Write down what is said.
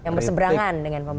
yang berseberangan dengan pemerintah